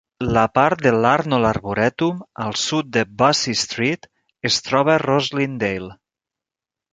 La part de l'Arnold Arboretum al sud de Bussey Street es troba a Roslindale.